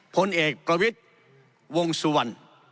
ผลเอกประวิทย์วงสุวรรณ